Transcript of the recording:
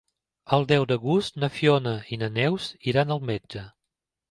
El deu d'agost na Fiona i na Neus iran al metge.